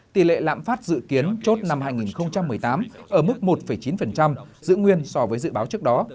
tỷ lệ lạm phát dự kiến chốt năm hai nghìn một mươi tám ở mức một chín giữ nguyên so với dự báo trước đó